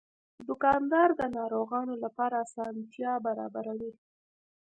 دوکاندار د ناروغانو لپاره اسانتیا برابروي.